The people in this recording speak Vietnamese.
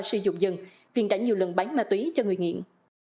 sử dụng dân viện đã nhiều lần bán ma túy cho người nghiện